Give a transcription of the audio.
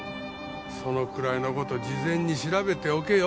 そのくらいの事事前に調べておけよ。